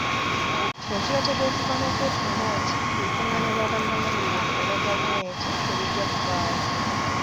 Kino kibategeezebwa n'okwetonda nti olukungaana lwa bannamawulire olwa gavumenti terujja kubaawo.